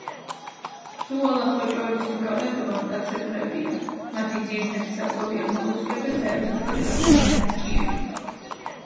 ბზუალა ხოჭოების უმრავლესობა მტაცებლებია, მათი ძირითადი საკვებია მოლუსკები, მწერების მატლები, ზოგჯერ ნიადაგის ჭიები.